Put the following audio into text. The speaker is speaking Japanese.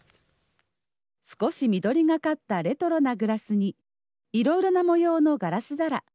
少し緑がかったレトロなグラスに、いろいろな模様のガラス皿。